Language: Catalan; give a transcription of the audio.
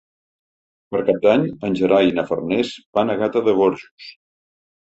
Per Cap d'Any en Gerai i na Farners van a Gata de Gorgos.